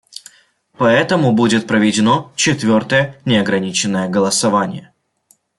Поэтому будет проведено четвертое неограниченное голосование.